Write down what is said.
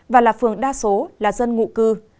và là phường đa số là dân ngụ cư